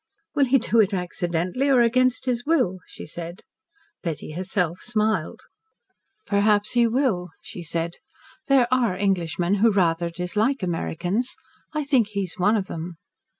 "Will he do it accidentally, or against his will?" she said. Betty herself smiled. "Perhaps he will," she said. "There are Englishmen who rather dislike Americans. I think he is one of them."